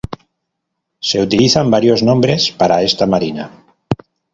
Se utilizan varios nombres para esta Marina.